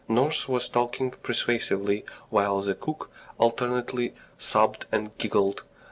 Nurse was talking persuasively, while the cook alternately sobbed and giggled.